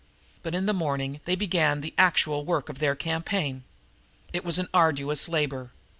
But in the morning they began the actual work of their campaign. It was an arduous labor.